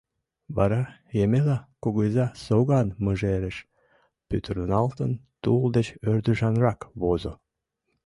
Вара Емела кугыза, соган мыжереш пӱтырналтын, тул деч ӧрдыжанрак возо.